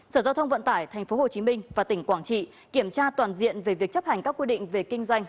sở giao thông vận tải tp hcm và tỉnh quảng trị kiểm tra toàn diện về việc chấp hành các quy định về kinh doanh